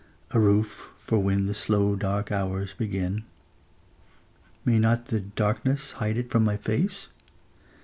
A roof for when the slow dark hours begin. May not the darkness hide it from my face?